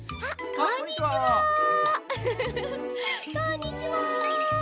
こんにちは。